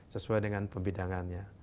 sesuai dengan pembidangannya